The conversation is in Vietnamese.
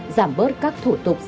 giảm bớt các thủ tục